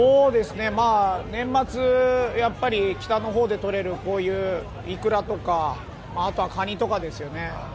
年末、北のほうでとれるこういう、イクラとかあとは、カニとかですよね。